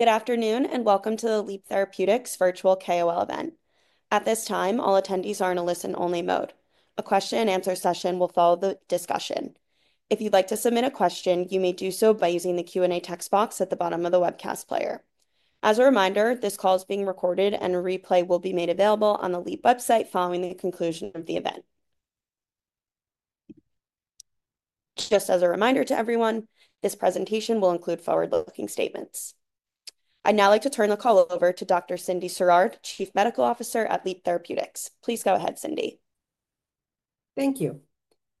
Good afternoon, and welcome to the Leap Therapeutics Virtual KOL Event. At this time, all attendees are in a listen-only mode. A question-and-answer session will follow the discussion. If you'd like to submit a question, you may do so by using the Q&A text box at the bottom of the webcast player. As a reminder, this call is being recorded, and a replay will be made available on the Leap website following the conclusion of the event. Just as a reminder to everyone, this presentation will include forward-looking statements. I'd now like to turn the call over to Dr. Cyndi Sir, Chief Medical Officer at Leap Therapeutics. Please go ahead, Cyndi. Thank you.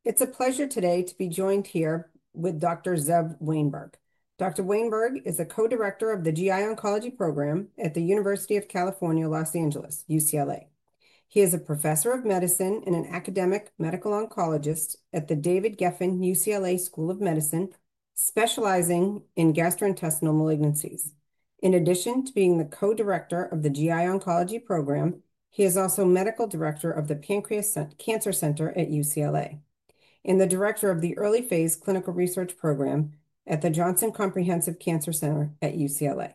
It's a pleasure today to be joined here with Dr. Zev Wainberg. Dr. Wainberg is a Co-Director of the GI Oncology Program at the University of California, Los Angeles, UCLA. He is a Professor of Medicine and an Academic Medical Oncologist at the David Geffen UCLA School of Medicine, specializing in gastrointestinal malignancies. In addition to being the Co-Director of the GI Oncology Program, he is also Medical Director of the Pancreas Cancer Center at UCLA and the Director of the Early Phase Clinical Research Program at the Johnson Comprehensive Cancer Center at UCLA.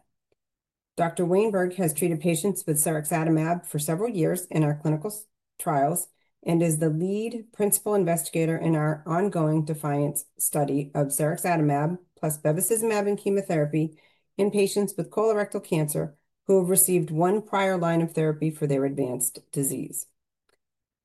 Dr. Wainberg has treated patients with Sirexatamab for several years in our clinical trials and is the lead principal investigator in our ongoing DEFIANCE study of Sirexatamab plus bevacizumab and chemotherapy in patients with colorectal cancer who have received one prior line of therapy for their advanced disease.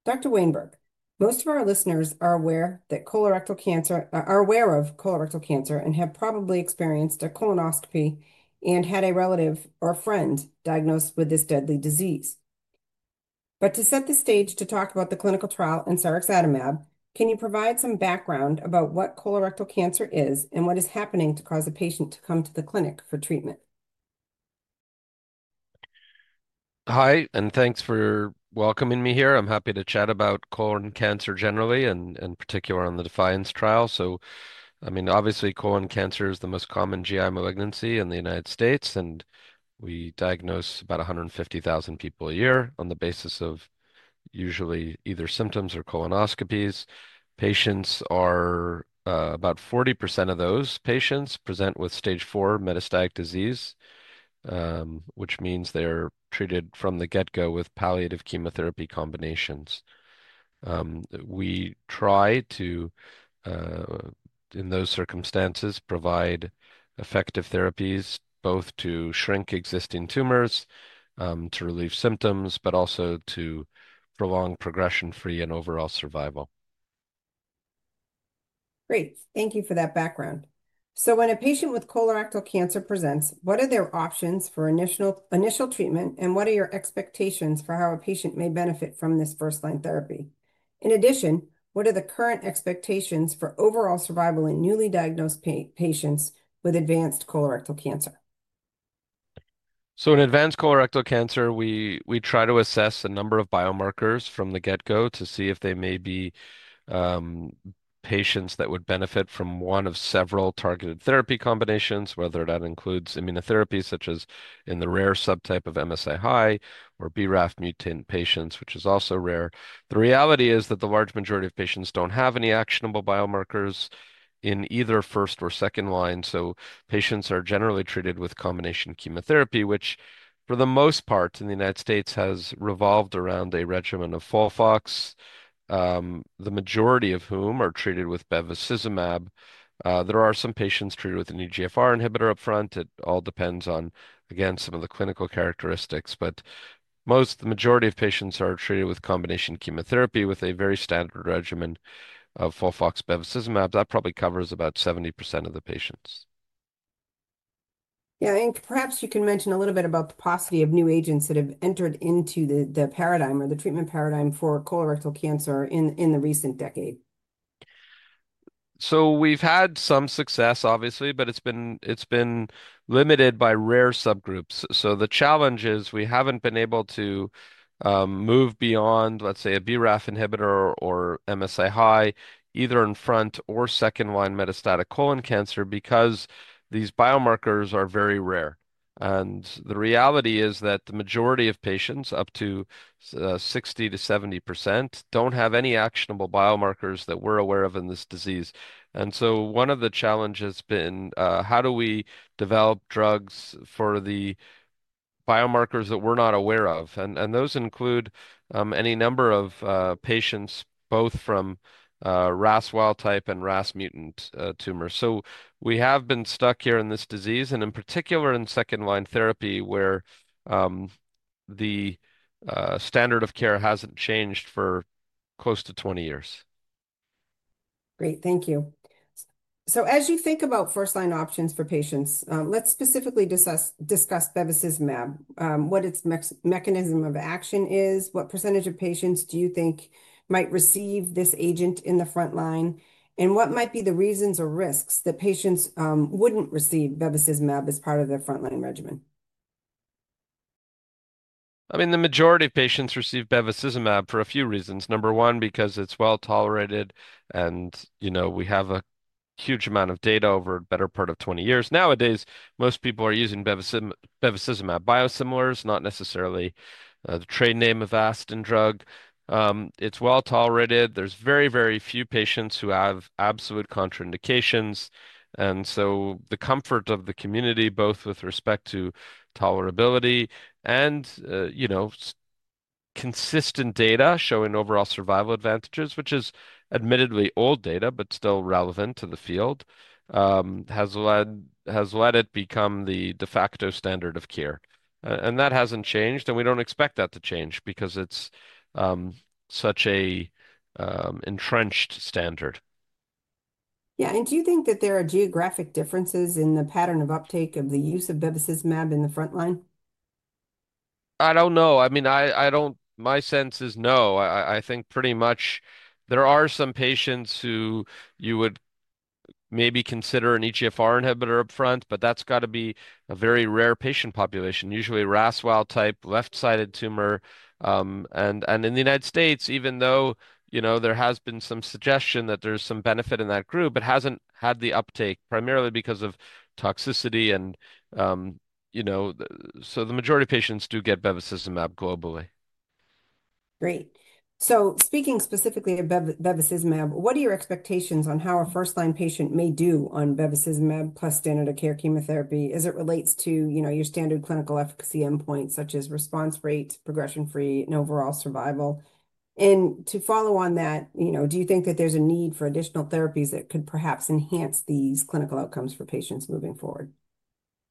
Dr. Wainberg, most of our listeners are aware that colorectal cancer are aware of colorectal cancer and have probably experienced a colonoscopy and had a relative or friend diagnosed with this deadly disease. To set the stage to talk about the clinical trial and Sirexatamab, can you provide some background about what colorectal cancer is and what is happening to cause a patient to come to the clinic for treatment? Hi, and thanks for welcoming me here. I'm happy to chat about colon cancer generally and in particular on the DeFianCe trial. I mean, obviously, colon cancer is the most common GI malignancy in the United States, and we diagnose about 150,000 people a year on the basis of usually either symptoms or colonoscopies. Patients are about 40% of those patients present with stage four metastatic disease, which means they're treated from the get-go with palliative chemotherapy combinations. We try to, in those circumstances, provide effective therapies both to shrink existing tumors, to relieve symptoms, but also to prolong progression-free and overall survival. Great. Thank you for that background. When a patient with colorectal cancer presents, what are their options for initial treatment, and what are your expectations for how a patient may benefit from this first-line therapy? In addition, what are the current expectations for overall survival in newly diagnosed patients with advanced colorectal cancer? In advanced colorectal cancer, we try to assess a number of biomarkers from the get-go to see if they may be patients that would benefit from one of several targeted therapy combinations, whether that includes immunotherapy, such as in the rare subtype of MSI high or BRAF mutant patients, which is also rare. The reality is that the large majority of patients do not have any actionable biomarkers in either first or second line. Patients are generally treated with combination chemotherapy, which for the most part in the United States has revolved around a regimen of FOLFOX, the majority of whom are treated with bevacizumab. There are some patients treated with an EGFR inhibitor upfront. It all depends on, again, some of the clinical characteristics, but most, the majority of patients are treated with combination chemotherapy with a very standard regimen of FOLFOX bevacizumab. That probably covers about 70% of the patients. Yeah, perhaps you can mention a little bit about the paucity of new agents that have entered into the paradigm or the treatment paradigm for colorectal cancer in the recent decade. We've had some success, obviously, but it's been limited by rare subgroups. The challenge is we haven't been able to move beyond, let's say, a BRAF inhibitor or MSI high, either in front or second-line metastatic colon cancer, because these biomarkers are very rare. The reality is that the majority of patients, up to 60%-70%, don't have any actionable biomarkers that we're aware of in this disease. One of the challenges has been, how do we develop drugs for the biomarkers that we're not aware of? Those include any number of patients, both from RAS wild type and RAS mutant tumors. We have been stuck here in this disease, and in particular in second-line therapy, where the standard of care hasn't changed for close to 20 years. Great. Thank you. As you think about first-line options for patients, let's specifically discuss bevacizumab, what its mechanism of action is, what percentage of patients do you think might receive this agent in the front line, and what might be the reasons or risks that patients wouldn't receive bevacizumab as part of their front-line regimen? I mean, the majority of patients receive bevacizumab for a few reasons. Number one, because it's well tolerated, and we have a huge amount of data over a better part of 20 years. Nowadays, most people are using bevacizumab biosimilars, not necessarily the trade name or the originator drug. It's well tolerated. There are very, very few patients who have absolute contraindications. The comfort of the community, both with respect to tolerability and consistent data showing overall survival advantages, which is admittedly old data but still relevant to the field, has led it to become the de facto standard of care. That has not changed, and we do not expect that to change because it is such an entrenched standard. Yeah. Do you think that there are geographic differences in the pattern of uptake of the use of bevacizumab in the front line? I don't know. I mean, my sense is no. I think pretty much there are some patients who you would maybe consider an EGFR inhibitor upfront, but that's got to be a very rare patient population, usually RAS wild type, left-sided tumor. In the United States, even though there has been some suggestion that there's some benefit in that group, it hasn't had the uptake, primarily because of toxicity. The majority of patients do get bevacizumab globally. Great. Speaking specifically of bevacizumab, what are your expectations on how a first-line patient may do on bevacizumab plus standard of care chemotherapy as it relates to your standard clinical efficacy endpoints, such as response rate, progression-free, and overall survival? To follow on that, do you think that there's a need for additional therapies that could perhaps enhance these clinical outcomes for patients moving forward?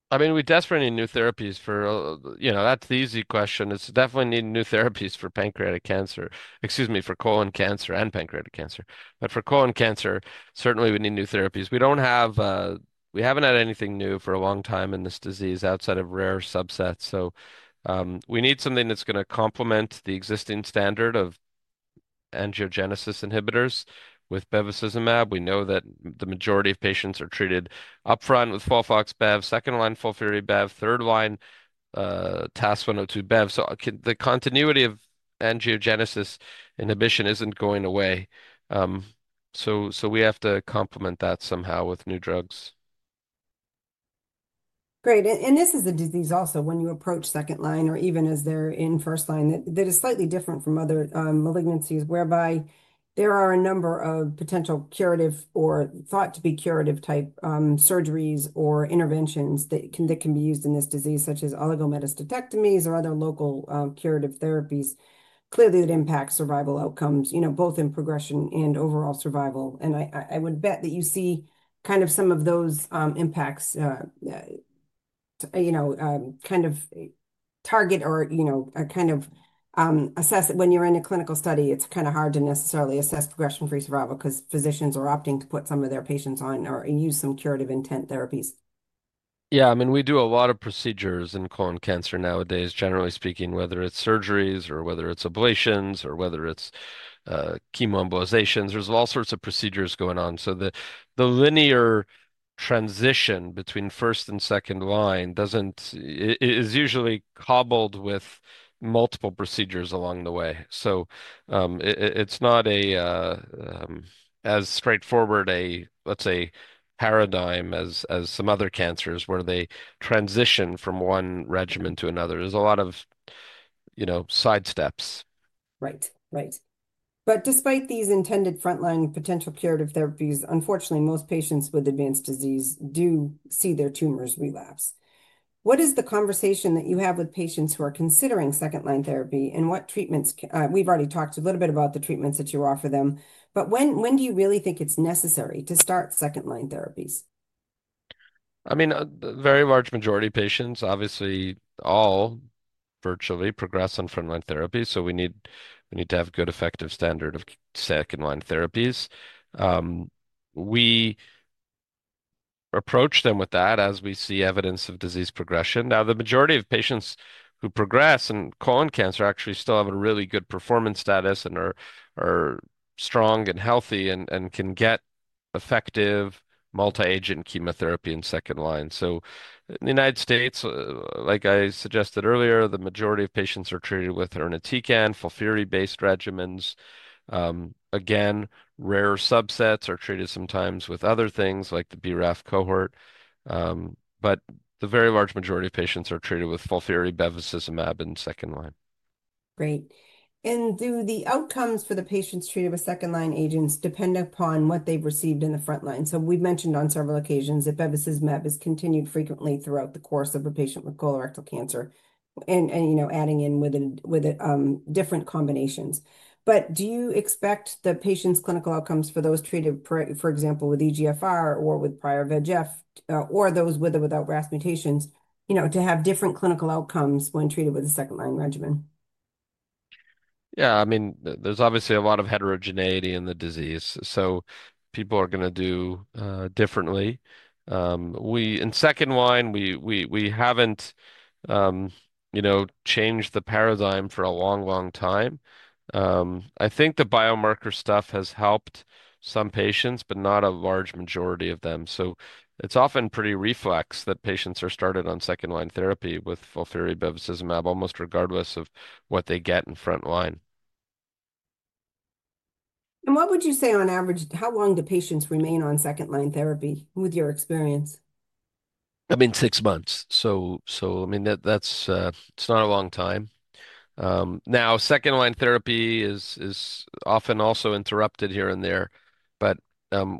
I mean, we definitely need new therapies for, that's the easy question. We definitely need new therapies for pancreatic cancer, excuse me, for colon cancer and pancreatic cancer. For colon cancer, certainly we need new therapies. We haven't had anything new for a long time in this disease outside of rare subsets. We need something that's going to complement the existing standard of angiogenesis inhibitors with bevacizumab. We know that the majority of patients are treated upfront with FOLFOX-Bev, second-line FOLFIRI-Bev, third-line TAS-102-Bev. The continuity of angiogenesis inhibition isn't going away. We have to complement that somehow with new drugs. Great. This is a disease also when you approach second line or even as they're in first line that is slightly different from other malignancies, whereby there are a number of potential curative or thought to be curative type surgeries or interventions that can be used in this disease, such as oligometastatectomies or other local curative therapies. Clearly, it impacts survival outcomes, both in progression and overall survival. I would bet that you see kind of some of those impacts kind of target or kind of assess it when you're in a clinical study. It's kind of hard to necessarily assess progression-free survival because physicians are opting to put some of their patients on or use some curative intent therapies. Yeah. I mean, we do a lot of procedures in colon cancer nowadays, generally speaking, whether it's surgeries or whether it's ablations or whether it's chemoembolizations. There's all sorts of procedures going on. The linear transition between first and second line is usually cobbled with multiple procedures along the way. It's not as straightforward, let's say, paradigm as some other cancers where they transition from one regimen to another. There's a lot of sidesteps. Right. Right. Despite these intended front-line potential curative therapies, unfortunately, most patients with advanced disease do see their tumors relapse. What is the conversation that you have with patients who are considering second-line therapy, and what treatments—we've already talked a little bit about the treatments that you offer them—but when do you really think it's necessary to start second-line therapies? I mean, a very large majority of patients, obviously all virtually, progress on front-line therapy. We need to have a good effective standard of second-line therapies. We approach them with that as we see evidence of disease progression. Now, the majority of patients who progress in colon cancer actually still have a really good performance status and are strong and healthy and can get effective multi-agent chemotherapy in second line. In the United States, like I suggested earlier, the majority of patients are treated with irinotecan, FOLFIRI-based regimens. Again, rare subsets are treated sometimes with other things like the BRAF cohort. The very large majority of patients are treated with FOLFIRI, bevacizumab, and second line. Great. Do the outcomes for the patients treated with second-line agents depend upon what they've received in the front line? We've mentioned on several occasions that bevacizumab is continued frequently throughout the course of a patient with colorectal cancer and adding in with different combinations. Do you expect the patient's clinical outcomes for those treated, for example, with EGFR or with prior VEGF or those with or without RAS mutations to have different clinical outcomes when treated with a second-line regimen? Yeah. I mean, there's obviously a lot of heterogeneity in the disease. People are going to do differently. In second line, we haven't changed the paradigm for a long, long time. I think the biomarker stuff has helped some patients, but not a large majority of them. It's often pretty reflex that patients are started on second-line therapy with FOLFIRI, bevacizumab, almost regardless of what they get in front line. What would you say on average, how long do patients remain on second-line therapy with your experience? I mean, six months. I mean, that's not a long time. Now, second-line therapy is often also interrupted here and there, but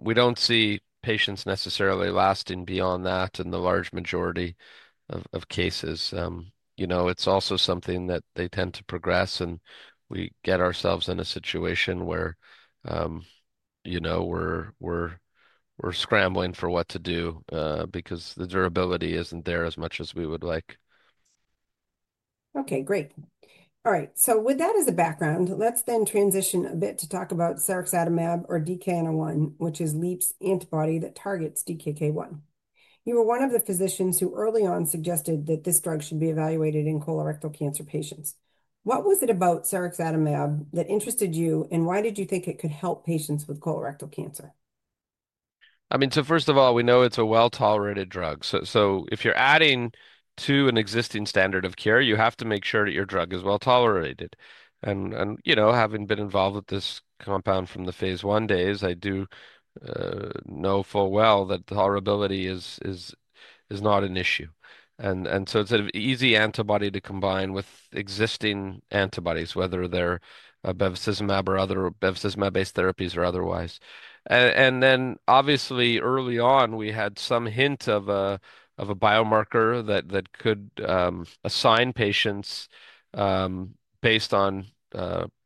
we don't see patients necessarily lasting beyond that in the large majority of cases. It's also something that they tend to progress, and we get ourselves in a situation where we're scrambling for what to do because the durability isn't there as much as we would like. Okay. Great. All right. With that as the background, let's then transition a bit to talk about Sirexatamab or DKN-01, which is Leap's antibody that targets DKK 1. You were one of the physicians who early on suggested that this drug should be evaluated in colorectal cancer patients. What was it about Sirexatamab that interested you, and why did you think it could help patients with colorectal cancer? I mean, first of all, we know it's a well-tolerated drug. If you're adding to an existing standard of care, you have to make sure that your drug is well tolerated. Having been involved with this compound from the phase one days, I do know full well that tolerability is not an issue. It's an easy antibody to combine with existing antibodies, whether they're bevacizumab or other bevacizumab-based therapies or otherwise. Obviously, early on, we had some hint of a biomarker that could assign patients based on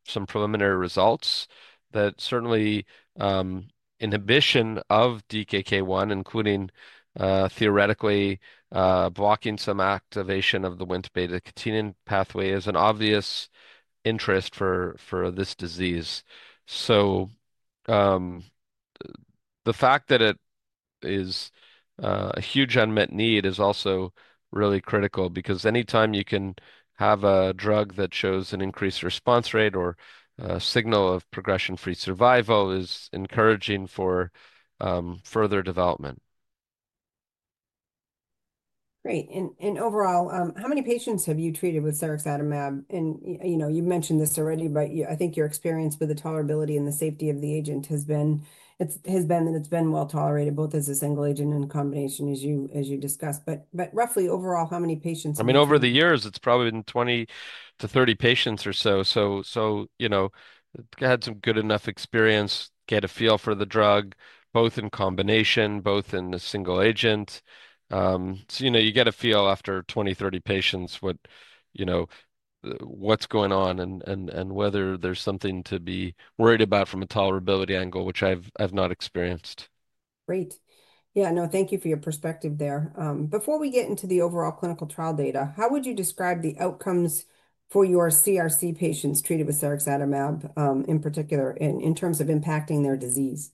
some preliminary results that certainly inhibition of DKK 1, including theoretically blocking some activation of the Wnt beta-catenin pathway, is an obvious interest for this disease. The fact that it is a huge unmet need is also really critical because anytime you can have a drug that shows an increased response rate or signal of progression-free survival is encouraging for further development. Great. Overall, how many patients have you treated with Sirexatamab? You mentioned this already, but I think your experience with the tolerability and the safety of the agent has been that it's been well tolerated, both as a single agent and in combination, as you discussed. Roughly, overall, how many patients? I mean, over the years, it's probably been 20-30 patients or so. Had some good enough experience, get a feel for the drug, both in combination, both in a single agent. You get a feel after 20-30 patients what's going on and whether there's something to be worried about from a tolerability angle, which I've not experienced. Great. Yeah. No, thank you for your perspective there. Before we get into the overall clinical trial data, how would you describe the outcomes for your CRC patients treated with Sirexatamab in particular in terms of impacting their disease?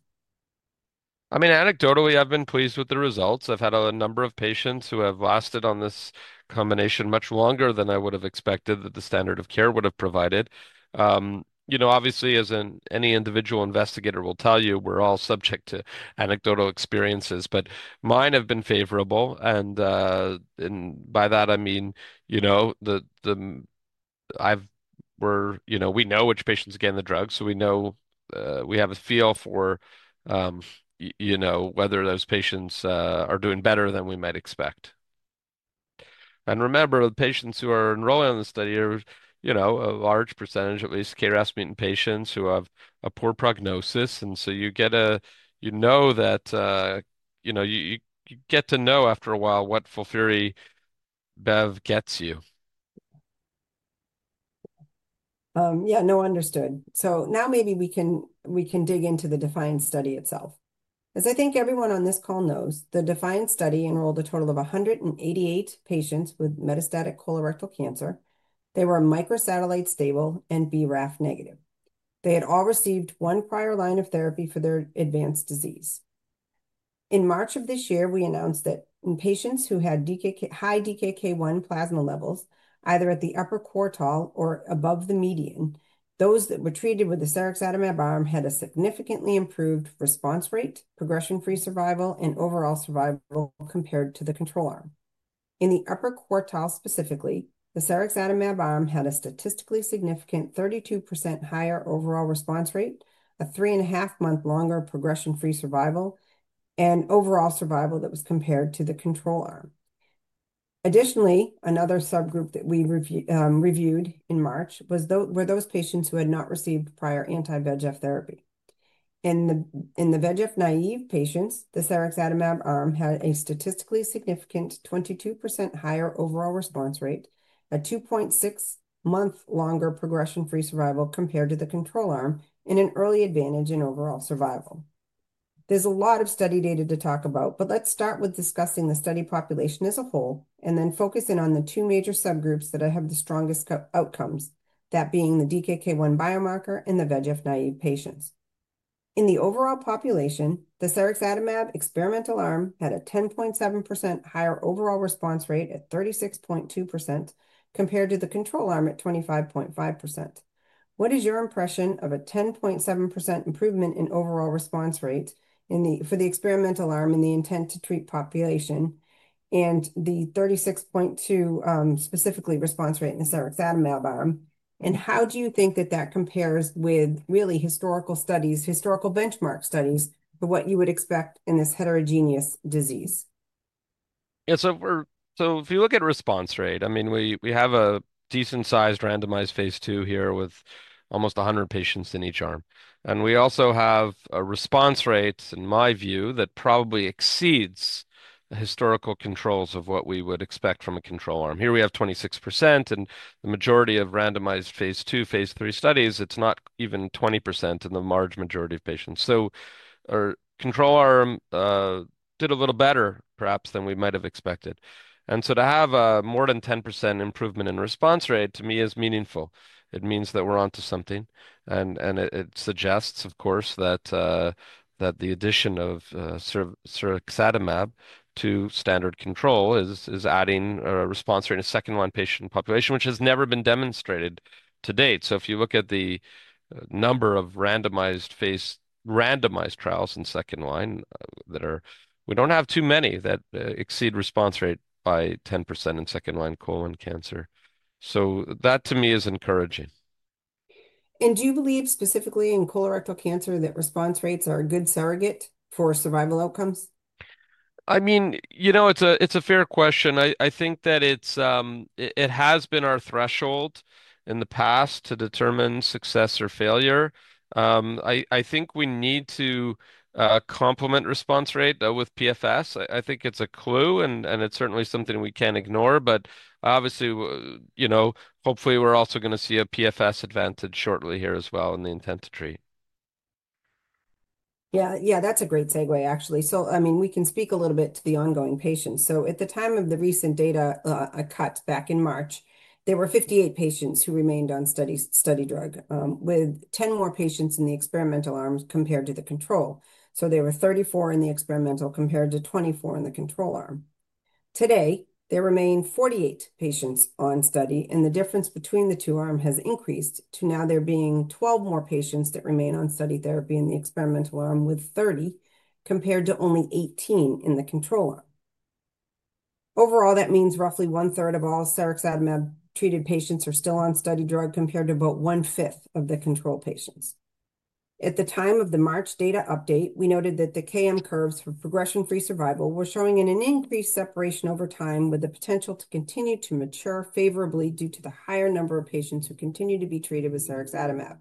I mean, anecdotally, I've been pleased with the results. I've had a number of patients who have lasted on this combination much longer than I would have expected that the standard of care would have provided. Obviously, as any individual investigator will tell you, we're all subject to anecdotal experiences, but mine have been favorable. I mean we know which patients get the drug, so we have a feel for whether those patients are doing better than we might expect. Remember, the patients who are enrolling in the study are a large percentage, at least KRAS mutant patients who have a poor prognosis. You know that you get to know after a while what FOLFIRI-Bev gets you. Yeah. No, understood. Now maybe we can dig into the DEFIANCE study itself. As I think everyone on this call knows, the DEFIANCE study enrolled a total of 188 patients with metastatic colorectal cancer. They were microsatellite stable and BRAF negative. They had all received one prior line of therapy for their advanced disease. In March of this year, we announced that in patients who had high DKK 1 plasma levels, either at the upper quartile or above the median, those that were treated with the Sirexatamab arm had a significantly improved response rate, progression-free survival, and overall survival compared to the control arm. In the upper quartile specifically, the Sirexatamab arm had a statistically significant 32% higher overall response rate, a three-and-a-half-month longer progression-free survival, and overall survival that was compared to the control arm. Additionally, another subgroup that we reviewed in March was those patients who had not received prior anti-VEGF therapy. In the VEGF naive patients, the Sirexatamab arm had a statistically significant 22% higher overall response rate, a 2.6-month longer progression-free survival compared to the control arm, and an early advantage in overall survival. There's a lot of study data to talk about, but let's start with discussing the study population as a whole and then focus in on the two major subgroups that have the strongest outcomes, that being the DKK 1 biomarker and the VEGF naive patients. In the overall population, the Sirexatamab experimental arm had a 10.7% higher overall response rate at 36.2% compared to the control arm at 25.5%. What is your impression of a 10.7% improvement in overall response rate for the experimental arm in the intent-to-treat population and the 36.2% specifically response rate in the Sirexatamab arm? How do you think that that compares with really historical studies, historical benchmark studies for what you would expect in this heterogeneous disease? Yeah. If you look at response rate, I mean, we have a decent-sized randomized phase two here with almost 100 patients in each arm. We also have a response rate, in my view, that probably exceeds the historical controls of what we would expect from a control arm. Here we have 26%, and the majority of randomized phase two, phase three studies, it's not even 20% in the large majority of patients. Our control arm did a little better, perhaps, than we might have expected. To have more than 10% improvement in response rate, to me, is meaningful. It means that we're onto something. It suggests, of course, that the addition of Sirexatamab to standard control is adding a response rate in a second-line patient population, which has never been demonstrated to date. If you look at the number of randomized trials in second line, we do not have too many that exceed response rate by 10% in second-line colon cancer. That, to me, is encouraging. Do you believe specifically in colorectal cancer that response rates are a good surrogate for survival outcomes? I mean, it's a fair question. I think that it has been our threshold in the past to determine success or failure. I think we need to complement response rate with PFS. I think it's a clue, and it's certainly something we can't ignore. Obviously, hopefully, we're also going to see a PFS advantage shortly here as well in the intent to treat. Yeah. Yeah. That's a great segue, actually. I mean, we can speak a little bit to the ongoing patients. At the time of the recent data cut back in March, there were 58 patients who remained on study drug with 10 more patients in the experimental arm compared to the control. There were 34 in the experimental compared to 24 in the control arm. Today, there remain 48 patients on study, and the difference between the two arms has increased to now there being 12 more patients that remain on study therapy in the experimental arm with 30 compared to only 18 in the control arm. Overall, that means roughly one-third of all Sirexatamab-treated patients are still on study drug compared to about one-fifth of the control patients. At the time of the March data update, we noted that the KM curves for progression-free survival were showing an increased separation over time with the potential to continue to mature favorably due to the higher number of patients who continue to be treated with Sirexatamab.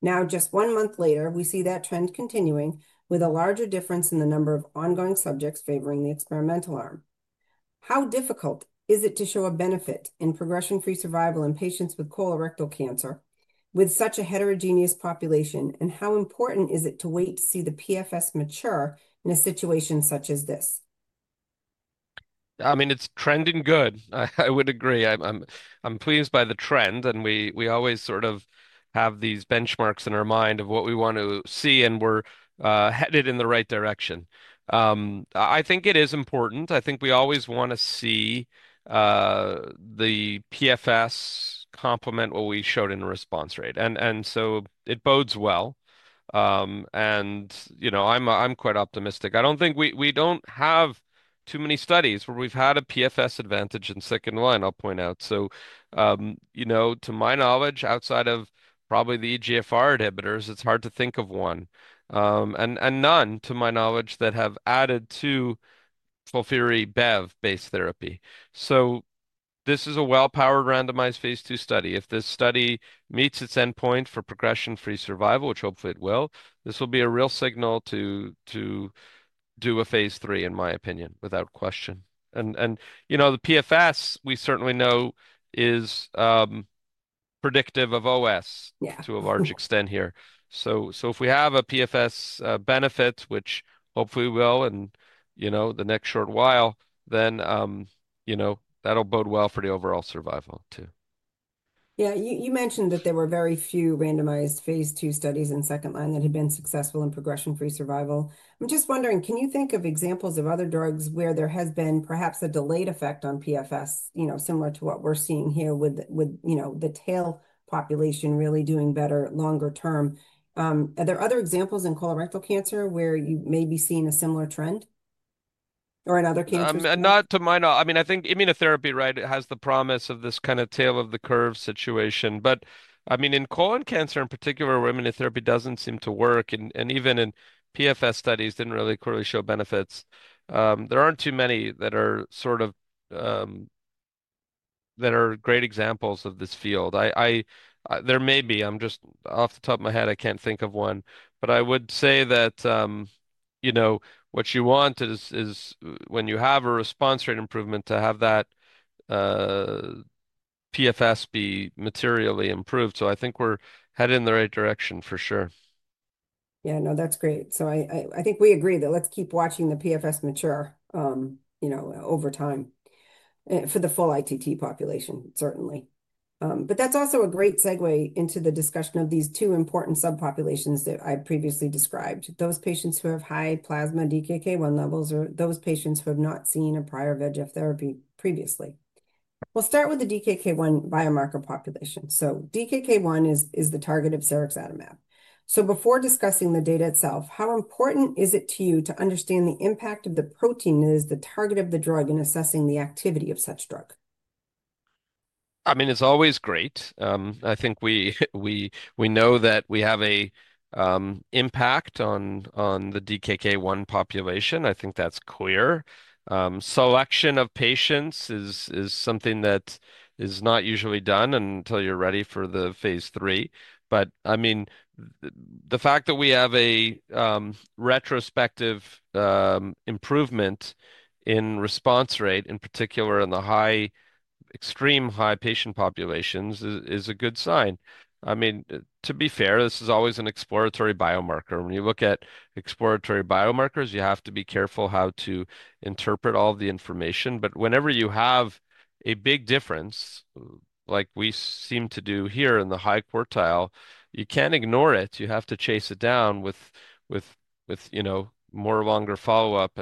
Now, just one month later, we see that trend continuing with a larger difference in the number of ongoing subjects favoring the experimental arm. How difficult is it to show a benefit in progression-free survival in patients with colorectal cancer with such a heterogeneous population? How important is it to wait to see the PFS mature in a situation such as this? I mean, it's trending good. I would agree. I'm pleased by the trend, and we always sort of have these benchmarks in our mind of what we want to see, and we're headed in the right direction. I think it is important. I think we always want to see the PFS complement what we showed in response rate. It bodes well. I'm quite optimistic. I don't think we don't have too many studies where we've had a PFS advantage in second line, I'll point out. To my knowledge, outside of probably the EGFR inhibitors, it's hard to think of one. None to my knowledge that have added to FOLFIRI, BEV-based therapy. This is a well-powered randomized phase two study. If this study meets its endpoint for progression-free survival, which hopefully it will, this will be a real signal to do a phase three, in my opinion, without question. The PFS, we certainly know, is predictive of OS to a large extent here. If we have a PFS benefit, which hopefully we will in the next short while, that will bode well for the overall survival too. Yeah. You mentioned that there were very few randomized phase two studies in second line that had been successful in progression-free survival. I'm just wondering, can you think of examples of other drugs where there has been perhaps a delayed effect on PFS similar to what we're seeing here with the tail population really doing better longer term? Are there other examples in colorectal cancer where you may be seeing a similar trend or in other cancers? Not to my knowledge. I mean, I think immunotherapy, right, has the promise of this kind of tail of the curve situation. I mean, in colon cancer in particular, where immunotherapy doesn't seem to work, and even in PFS studies didn't really clearly show benefits, there aren't too many that are sort of that are great examples of this field. There may be. I'm just off the top of my head, I can't think of one. I would say that what you want is, when you have a response rate improvement, to have that PFS be materially improved. I think we're headed in the right direction for sure. Yeah. No, that's great. I think we agree that let's keep watching the PFS mature over time for the full ITT population, certainly. That's also a great segue into the discussion of these two important subpopulations that I previously described. Those patients who have high plasma DKK 1 levels or those patients who have not seen a prior VEGF therapy previously. We'll start with the DKK 1 biomarker population. DKK 1 is the target of Sirexatamab. Before discussing the data itself, how important is it to you to understand the impact of the protein that is the target of the drug in assessing the activity of such drug? I mean, it's always great. I think we know that we have an impact on the DKK 1 population. I think that's clear. Selection of patients is something that is not usually done until you're ready for the phase three. I mean, the fact that we have a retrospective improvement in response rate, in particular in the extreme high patient populations, is a good sign. I mean, to be fair, this is always an exploratory biomarker. When you look at exploratory biomarkers, you have to be careful how to interpret all the information. Whenever you have a big difference, like we seem to do here in the high quartile, you can't ignore it. You have to chase it down with more longer follow-up.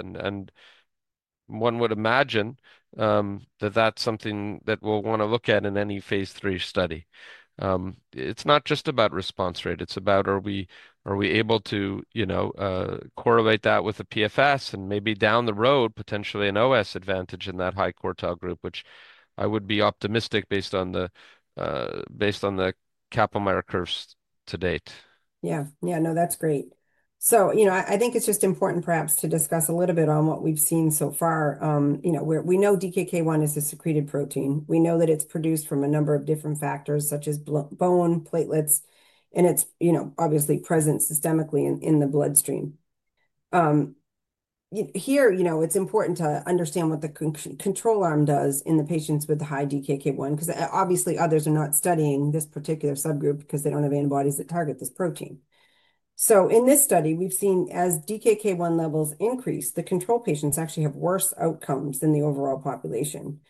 One would imagine that that's something that we'll want to look at in any phase three study. It's not just about response rate. It's about, are we able to correlate that with a PFS and maybe down the road, potentially an OS advantage in that high quartile group, which I would be optimistic based on the Kaplan-Meier curves to date. Yeah. Yeah. No, that's great. I think it's just important perhaps to discuss a little bit on what we've seen so far. We know DKK 1 is a secreted protein. We know that it's produced from a number of different factors such as bone, platelets, and it's obviously present systemically in the bloodstream. Here, it's important to understand what the control arm does in the patients with the high DKK 1 because obviously, others are not studying this particular subgroup because they don't have antibodies that target this protein. In this study, we've seen as DKK 1 levels increase, the control patients actually have worse outcomes than the overall population.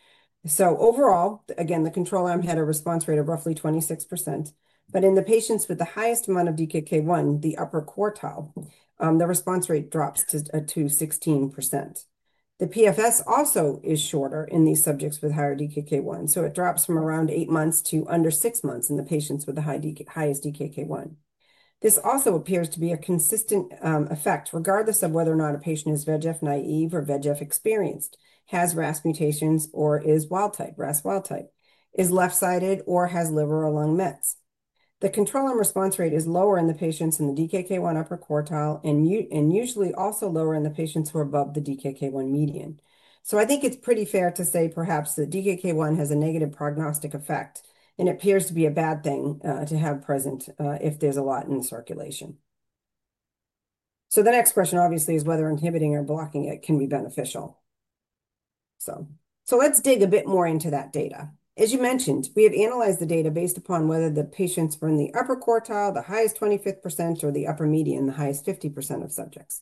Overall, again, the control arm had a response rate of roughly 26%. In the patients with the highest amount of DKK 1, the upper quartile, the response rate drops to 16%. The PFS also is shorter in these subjects with higher DKK 1. It drops from around eight months to under six months in the patients with the highest DKK 1. This also appears to be a consistent effect regardless of whether or not a patient is VEGF naive or VEGF experienced, has RAS mutations, or is wild-type, RAS wild-type, is left-sided, or has liver or lung metastasis. The control arm response rate is lower in the patients in the DKK 1 upper quartile and usually also lower in the patients who are above the DKK 1 median. I think it's pretty fair to say perhaps that DKK 1 has a negative prognostic effect, and it appears to be a bad thing to have present if there's a lot in circulation. The next question, obviously, is whether inhibiting or blocking it can be beneficial. Let's dig a bit more into that data. As you mentioned, we have analyzed the data based upon whether the patients were in the upper quartile, the highest 25%, or the upper median, the highest 50% of subjects.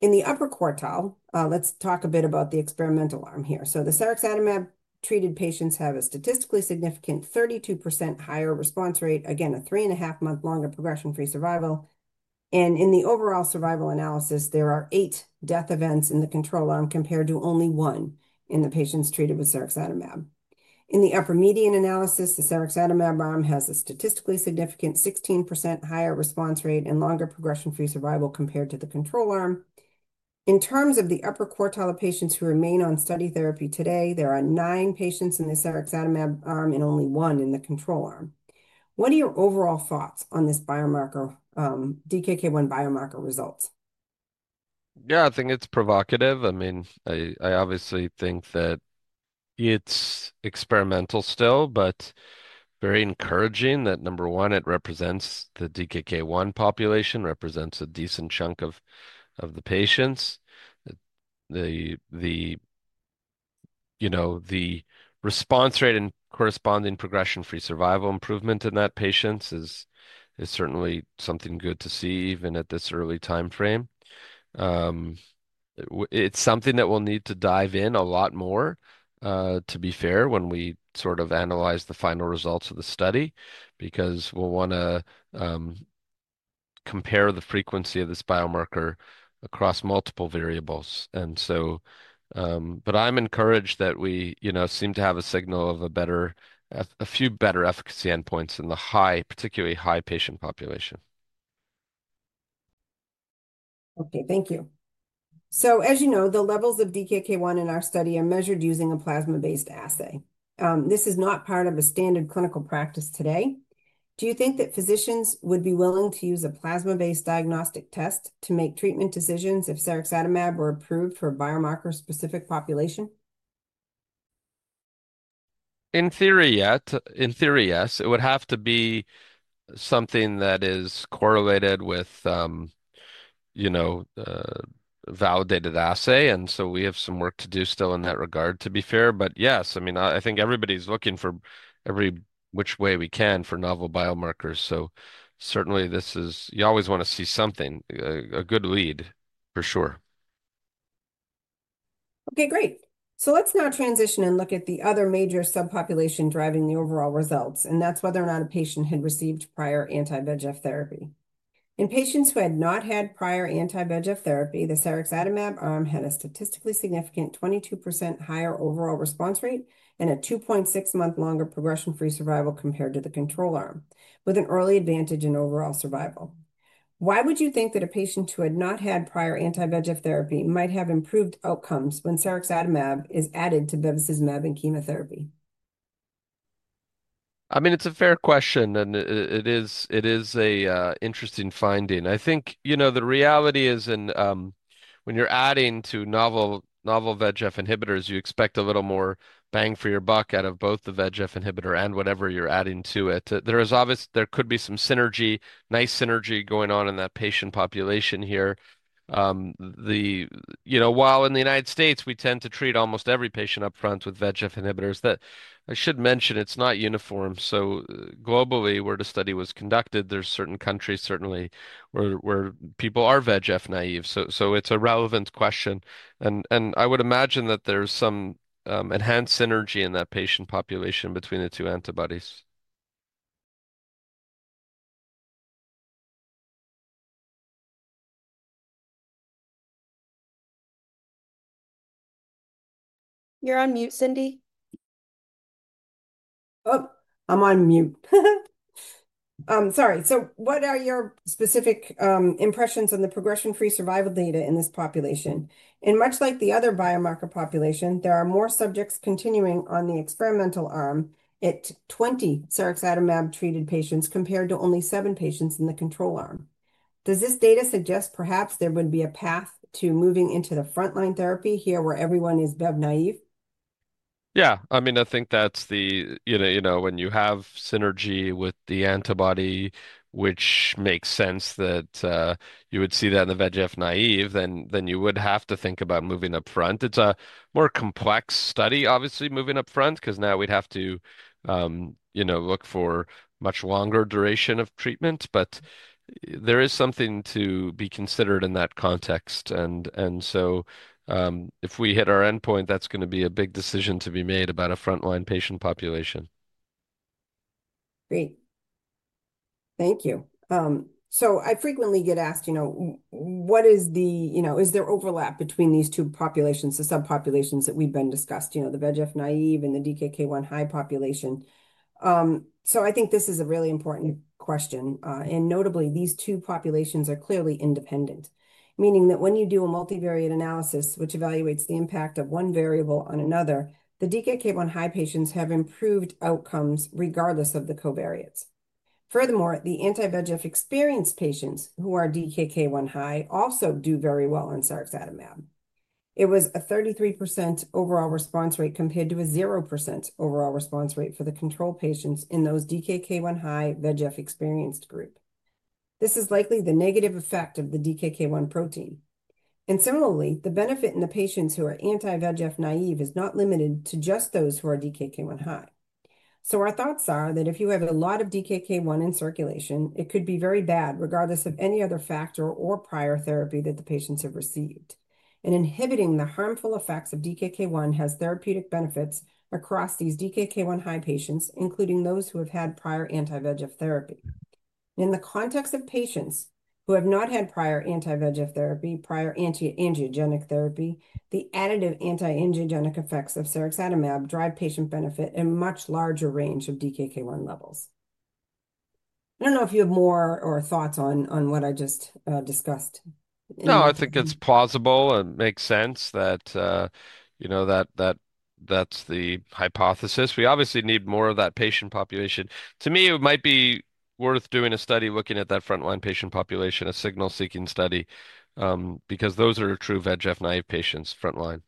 In the upper quartile, let's talk a bit about the experimental arm here. The Sirexatamab-treated patients have a statistically significant 32% higher response rate, again, a three-and-a-half-month longer progression-free survival. In the overall survival analysis, there are eight death events in the control arm compared to only one in the patients treated with Sirexatamab. In the upper median analysis, the Sirexatamab arm has a statistically significant 16% higher response rate and longer progression-free survival compared to the control arm. In terms of the upper quartile of patients who remain on study therapy today, there are nine patients in the Sirexatamab arm and only one in the control arm. What are your overall thoughts on this biomarker, DKK 1 biomarker results? Yeah. I think it's provocative. I mean, I obviously think that it's experimental still, but very encouraging that, number one, it represents the DKK 1 population, represents a decent chunk of the patients. The response rate and corresponding progression-free survival improvement in that patient is certainly something good to see even at this early time frame. It's something that we'll need to dive in a lot more, to be fair, when we sort of analyze the final results of the study because we'll want to compare the frequency of this biomarker across multiple variables. I'm encouraged that we seem to have a signal of a few better efficacy endpoints in the particularly high patient population. Okay. Thank you. As you know, the levels of DKK 1 in our study are measured using a plasma-based assay. This is not part of a standard clinical practice today. Do you think that physicians would be willing to use a plasma-based diagnostic test to make treatment decisions if Sirexatamab were approved for biomarker-specific population? In theory, yes. In theory, yes. It would have to be something that is correlated with a validated assay. We have some work to do still in that regard, to be fair. Yes, I mean, I think everybody's looking for every which way we can for novel biomarkers. Certainly, you always want to see something, a good lead for sure. Okay. Great. Let's now transition and look at the other major subpopulation driving the overall results. That's whether or not a patient had received prior anti-VEGF therapy. In patients who had not had prior anti-VEGF therapy, the Sirexatamab arm had a statistically significant 22% higher overall response rate and a 2.6-month longer progression-free survival compared to the control arm, with an early advantage in overall survival. Why would you think that a patient who had not had prior anti-VEGF therapy might have improved outcomes when Sirexatamab is added to bevacizumab and chemotherapy? I mean, it's a fair question, and it is an interesting finding. I think the reality is when you're adding to novel VEGF inhibitors, you expect a little more bang for your buck out of both the VEGF inhibitor and whatever you're adding to it. There could be some synergy, nice synergy going on in that patient population here. While in the U.S., we tend to treat almost every patient upfront with VEGF inhibitors, I should mention it's not uniform. Globally, where the study was conducted, there are certain countries certainly where people are VEGF naive. It's a relevant question. I would imagine that there's some enhanced synergy in that patient population between the two antibodies. You're on mute, Cyndi. I'm on mute. Sorry. What are your specific impressions on the progression-free survival data in this population? Much like the other biomarker population, there are more subjects continuing on the experimental arm at 20 Sirexatamab-treated patients compared to only seven patients in the control arm. Does this data suggest perhaps there would be a path to moving into the frontline therapy here where everyone is bevacizumab naive? Yeah. I mean, I think that's the when you have synergy with the antibody, which makes sense that you would see that in the VEGF naive, then you would have to think about moving upfront. It's a more complex study, obviously, moving upfront because now we'd have to look for much longer duration of treatment. There is something to be considered in that context. If we hit our endpoint, that's going to be a big decision to be made about a frontline patient population. Great. Thank you. I frequently get asked, what is the is there overlap between these two populations, the subpopulations that we've been discussed, the VEGF naive and the DKK 1 high population? I think this is a really important question. Notably, these two populations are clearly independent, meaning that when you do a multivariate analysis, which evaluates the impact of one variable on another, the DKK 1 high patients have improved outcomes regardless of the covariates. Furthermore, the anti-VEGF experienced patients who are DKK 1 high also do very well on Sirexatamab. It was a 33% overall response rate compared to a 0% overall response rate for the control patients in those DKK 1 high VEGF experienced group. This is likely the negative effect of the DKK 1 protein. Similarly, the benefit in the patients who are anti-VEGF naive is not limited to just those who are DKK 1 high. Our thoughts are that if you have a lot of DKK 1 in circulation, it could be very bad regardless of any other factor or prior therapy that the patients have received. Inhibiting the harmful effects of DKK 1 has therapeutic benefits across these DKK 1 high patients, including those who have had prior anti-VEGF therapy. In the context of patients who have not had prior anti-VEGF therapy, prior anti-angiogenic therapy, the additive anti-angiogenic effects of Sirexatamab drive patient benefit in a much larger range of DKK 1 levels. I don't know if you have more or thoughts on what I just discussed. No, I think it's plausible and makes sense that that's the hypothesis. We obviously need more of that patient population. To me, it might be worth doing a study looking at that frontline patient population, a signal-seeking study, because those are true VEGF naive patients frontline.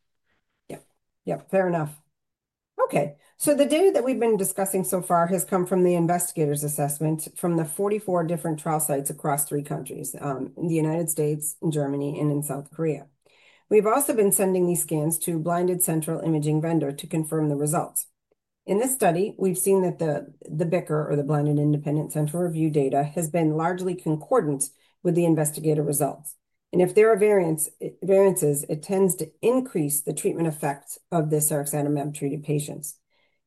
Yep. Yep. Fair enough. Okay. The data that we've been discussing so far has come from the investigators' assessment from the 44 different trial sites across three countries, the United States, Germany, and in South Korea. We've also been sending these scans to Blinded Independent Central Review to confirm the results. In this study, we've seen that the BICR, or the Blinded Independent Central Review, data has been largely concordant with the investigator results. If there are variances, it tends to increase the treatment effects of the Sirexatamab-treated patients.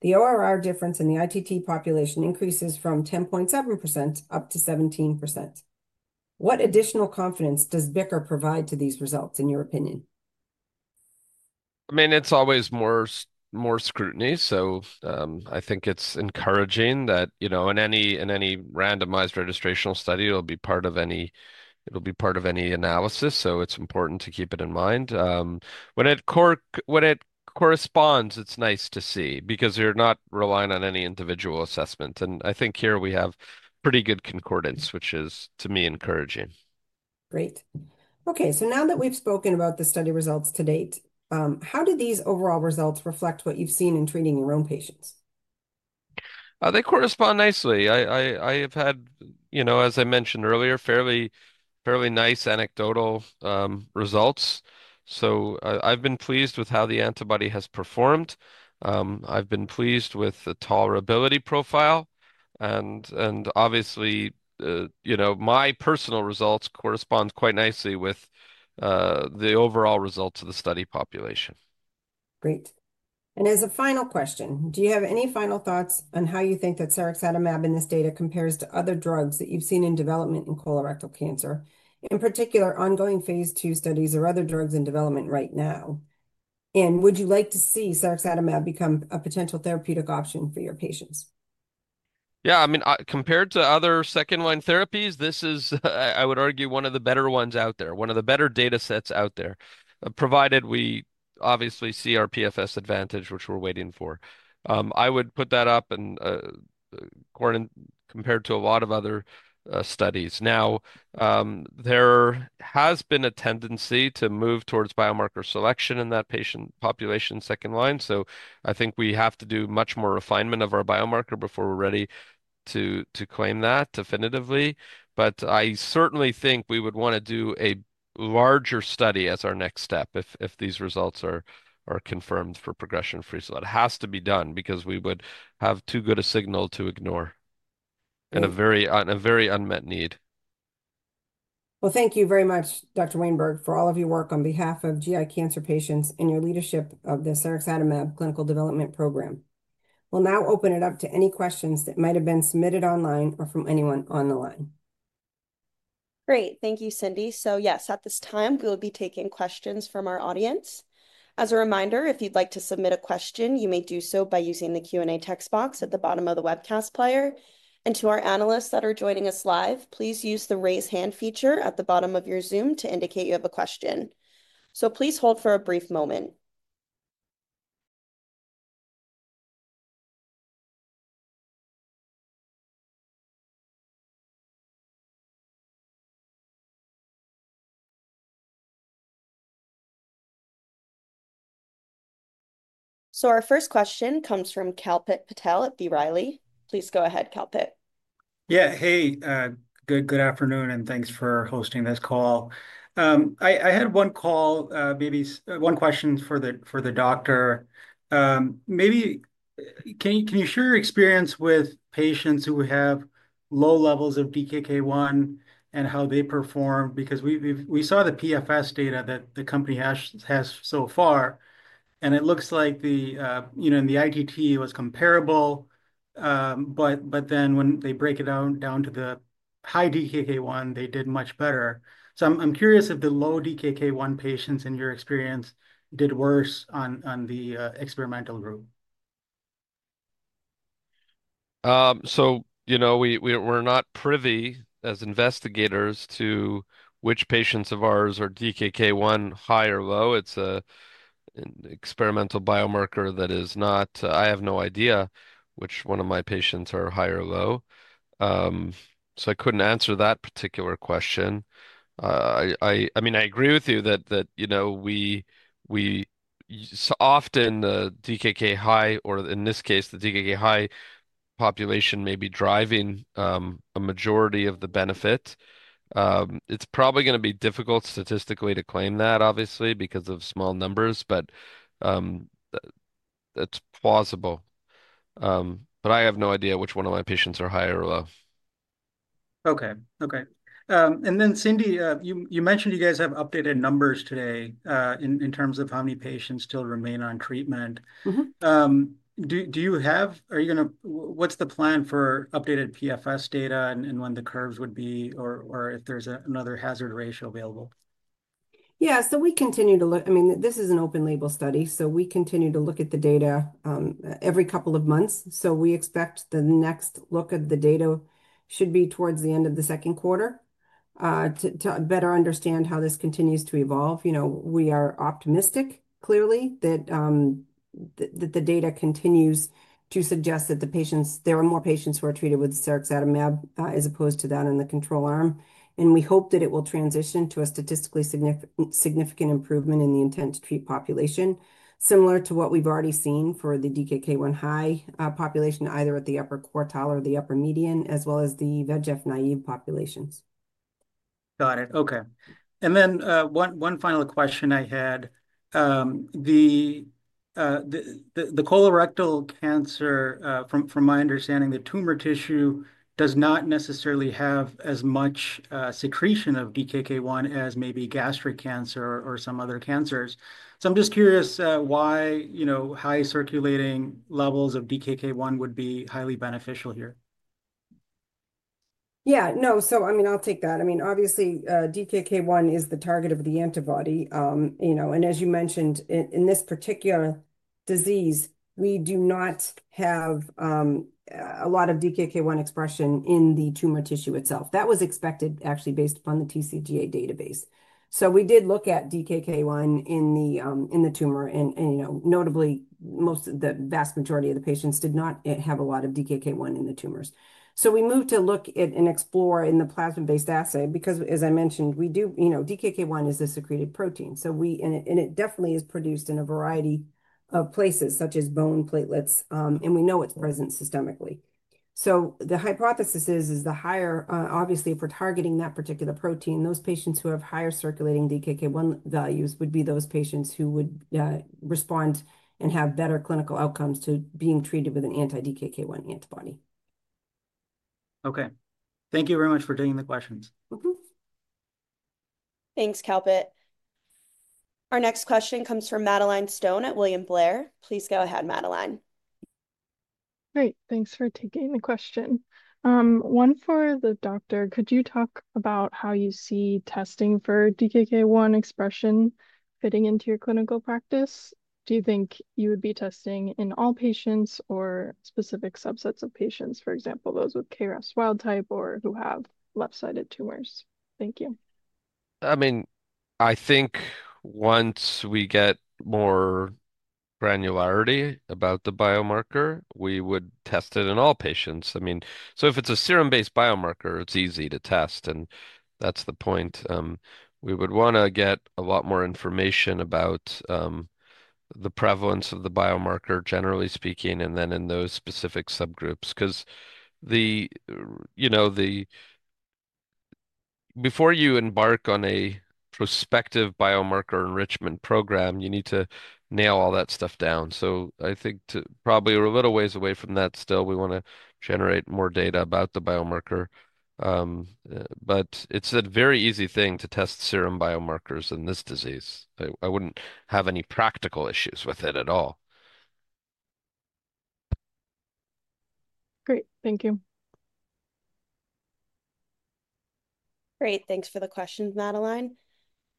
The ORR difference in the ITT population increases from 10.7% up to 17%. What additional confidence does BICR provide to these results, in your opinion? I mean, it's always more scrutiny. I think it's encouraging that in any randomized registrational study, it'll be part of any analysis. It's important to keep it in mind. When it corresponds, it's nice to see because you're not relying on any individual assessment. I think here we have pretty good concordance, which is, to me, encouraging. Great. Okay. Now that we've spoken about the study results to date, how do these overall results reflect what you've seen in treating your own patients? They correspond nicely. I have had, as I mentioned earlier, fairly nice anecdotal results. I have been pleased with how the antibody has performed. I have been pleased with the tolerability profile. Obviously, my personal results correspond quite nicely with the overall results of the study population. Great. As a final question, do you have any final thoughts on how you think that Sirexatamab in this data compares to other drugs that you've seen in development in colorectal cancer, in particular ongoing phase two studies or other drugs in development right now? Would you like to see Sirexatamab become a potential therapeutic option for your patients? Yeah. I mean, compared to other second-line therapies, this is, I would argue, one of the better ones out there, one of the better data sets out there, provided we obviously see our PFS advantage, which we're waiting for. I would put that up in compared to a lot of other studies. Now, there has been a tendency to move towards biomarker selection in that patient population second line. I think we have to do much more refinement of our biomarker before we're ready to claim that definitively. I certainly think we would want to do a larger study as our next step if these results are confirmed for progression-free. That has to be done because we would have too good a signal to ignore in a very unmet need. Thank you very much, Dr. Wainberg, for all of your work on behalf of GI cancer patients and your leadership of the Sirexatamab clinical development program. We'll now open it up to any questions that might have been submitted online or from anyone on the line. Great. Thank you, Cyndi. Yes, at this time, we will be taking questions from our audience. As a reminder, if you'd like to submit a question, you may do so by using the Q&A text box at the bottom of the webcast player. To our analysts that are joining us live, please use the raise hand feature at the bottom of your Zoom to indicate you have a question. Please hold for a brief moment. Our first question comes from Kalpit Patel at B. Riley Securities. Please go ahead, Kalpit. Yeah. Hey, good afternoon, and thanks for hosting this call. I had one call, maybe one question for the doctor. Maybe can you share your experience with patients who have low levels of DKK 1 and how they perform? Because we saw the PFS data that the company has so far, and it looks like in the ITT it was comparable. When they break it down to the high DKK 1, they did much better. I am curious if the low DKK 1 patients, in your experience, did worse on the experimental group. We're not privy as investigators to which patients of ours are DKK 1 high or low. It's an experimental biomarker that is not—I have no idea which one of my patients are high or low. I couldn't answer that particular question. I mean, I agree with you that often the DKK high, or in this case, the DKK high population may be driving a majority of the benefit. It's probably going to be difficult statistically to claim that, obviously, because of small numbers, but it's plausible. I have no idea which one of my patients are high or low. Okay. Okay. Cyndi, you mentioned you guys have updated numbers today in terms of how many patients still remain on treatment. Do you have what's the plan for updated PFS data and when the curves would be or if there's another hazard ratio available? Yeah. We continue to look, I mean, this is an open-label study. We continue to look at the data every couple of months. We expect the next look at the data should be towards the end of the second quarter to better understand how this continues to evolve. We are optimistic, clearly, that the data continues to suggest that there are more patients who are treated with Sirexatamab as opposed to that in the control arm. We hope that it will transition to a statistically significant improvement in the intent-to-treat population, similar to what we've already seen for the DKK 1 high population, either at the upper quartile or the upper median, as well as the VEGF naive populations. Got it. Okay. One final question I had. The colorectal cancer, from my understanding, the tumor tissue does not necessarily have as much secretion of DKK 1 as maybe gastric cancer or some other cancers. I'm just curious why high circulating levels of DKK 1 would be highly beneficial here. Yeah. No. I mean, I'll take that. I mean, obviously, DKK 1 is the target of the antibody. As you mentioned, in this particular disease, we do not have a lot of DKK 1 expression in the tumor tissue itself. That was expected, actually, based upon the TCGA database. We did look at DKK 1 in the tumor. Notably, the vast majority of the patients did not have a lot of DKK 1 in the tumors. We moved to look at and explore in the plasma-based assay because, as I mentioned, DKK 1 is a secreted protein. It definitely is produced in a variety of places, such as bone platelets. We know it's present systemically. The hypothesis is, obviously, if we're targeting that particular protein, those patients who have higher circulating DKK 1 values would be those patients who would respond and have better clinical outcomes to being treated with an anti-DKK1 antibody. Okay. Thank you very much for taking the questions. Thanks, Kalpit. Our next question comes from Madeleine Stone at William Blair. Please go ahead, Madeline. Great. Thanks for taking the question. One for the doctor. Could you talk about how you see testing for DKK 1 expression fitting into your clinical practice? Do you think you would be testing in all patients or specific subsets of patients, for example, those with KRAS wild type or who have left-sided tumors? Thank you. I mean, I think once we get more granularity about the biomarker, we would test it in all patients. I mean, if it's a serum-based biomarker, it's easy to test. That's the point. We would want to get a lot more information about the prevalence of the biomarker, generally speaking, and then in those specific subgroups because before you embark on a prospective biomarker enrichment program, you need to nail all that stuff down. I think probably we're a little ways away from that still. We want to generate more data about the biomarker. It's a very easy thing to test serum biomarkers in this disease. I wouldn't have any practical issues with it at all. Great. Thank you. Great. Thanks for the question, Madeleine.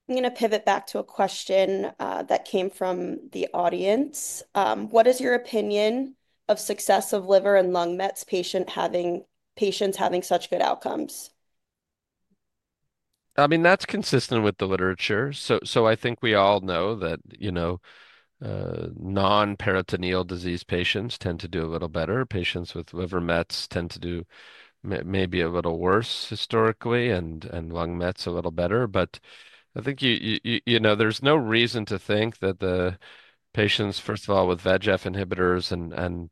I'm going to pivot back to a question that came from the audience. What is your opinion of success of liver and lung mets patients having such good outcomes? I mean, that's consistent with the literature. I think we all know that non-peritoneal disease patients tend to do a little better. Patients with liver mets tend to do maybe a little worse historically, and lung mets a little better. I think there's no reason to think that the patients, first of all, with VEGF inhibitors and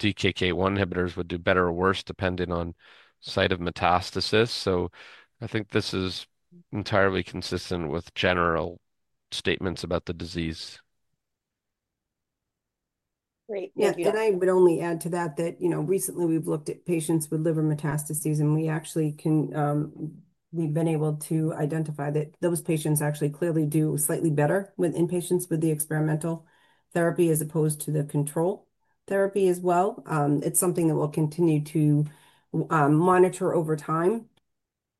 DKK 1 inhibitors would do better or worse depending on site of metastasis. I think this is entirely consistent with general statements about the disease. Great. Thank you. I would only add to that that recently, we've looked at patients with liver metastases, and we've been able to identify that those patients actually clearly do slightly better in patients with the experimental therapy as opposed to the control therapy as well. It's something that we'll continue to monitor over time.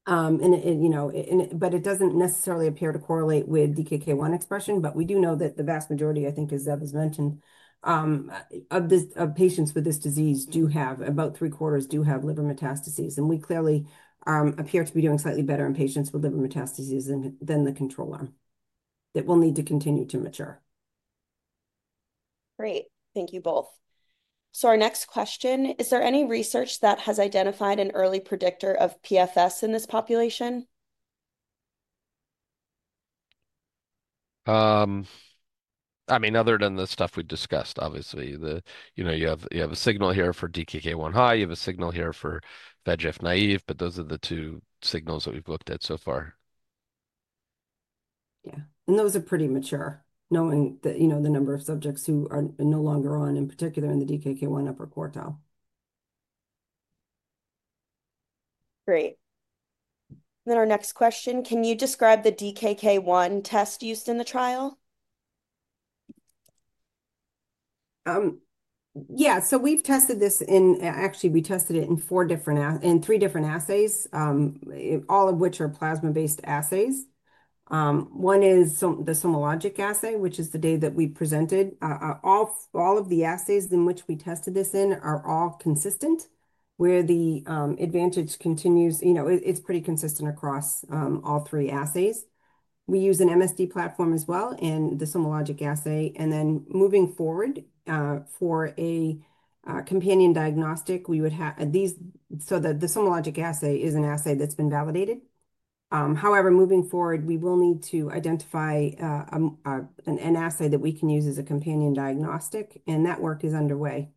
It doesn't necessarily appear to correlate with DKK 1 expression. We do know that the vast majority, I think, as Zev has mentioned, of patients with this disease do have about three-quarters do have liver metastases. We clearly appear to be doing slightly better in patients with liver metastases than the control arm that will need to continue to mature. Great. Thank you both. Our next question, is there any research that has identified an early predictor of PFS in this population? I mean, other than the stuff we discussed, obviously, you have a signal here for DKK 1 high. You have a signal here for VEGF naive. Those are the two signals that we've looked at so far. Yeah. Those are pretty mature, knowing the number of subjects who are no longer on, in particular, in the DKK 1 upper quartile. Great. Our next question, can you describe the DKK 1 test used in the trial? Yeah. So we've tested this in actually, we tested it in three different assays, all of which are plasma-based assays. One is the Somologic assay, which is the data that we presented. All of the assays in which we tested this in are all consistent, where the advantage continues. It's pretty consistent across all three assays. We use an MSD platform as well and the Somologic assay. Moving forward, for a companion diagnostic, we would have so the Somologic assay is an assay that's been validated. However, moving forward, we will need to identify an assay that we can use as a companion diagnostic. That work is underway.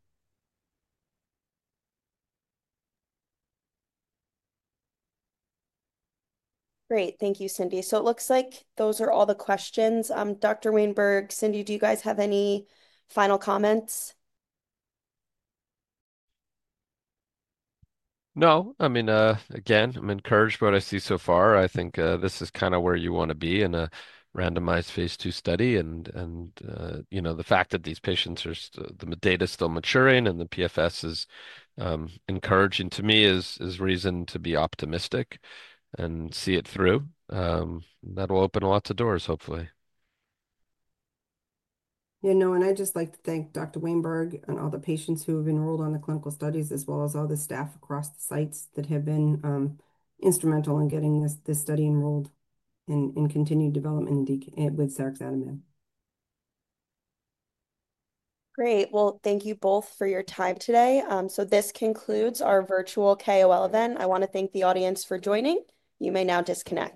Great. Thank you, Cyndi. It looks like those are all the questions. Dr. Wainberg, Cyndi, do you guys have any final comments? No. I mean, again, I'm encouraged by what I see so far. I think this is kind of where you want to be in a randomized phase two study. The fact that these patients are the data is still maturing and the PFS is encouraging to me is reason to be optimistic and see it through. That'll open lots of doors, hopefully. I would just like to thank Dr. Wainberg and all the patients who have enrolled on the clinical studies, as well as all the staff across the sites that have been instrumental in getting this study enrolled in continued development with Sirexatamab. Great. Thank you both for your time today. This concludes our Virtual KOL Event. I want to thank the audience for joining. You may now disconnect.